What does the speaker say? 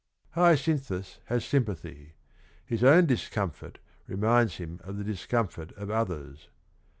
Hyacinthus has sympathy; his own discomfort reminds him of the discomfort of others.